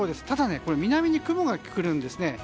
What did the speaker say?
ただね、南に雲が来るんですね。